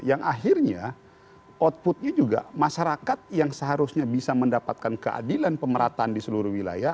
yang akhirnya outputnya juga masyarakat yang seharusnya bisa mendapatkan keadilan pemerataan di seluruh wilayah